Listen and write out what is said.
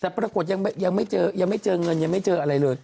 แต่ปรากฏยังไม่เจอเงินยังไม่เจออะไรเลย